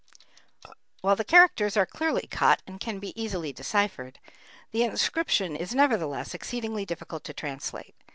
] While the characters are clearly cut and can be easily deciphered, the inscription is nevertheless exceedingly difficult to translate.